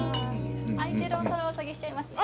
空いてるお皿お下げしちゃいますね。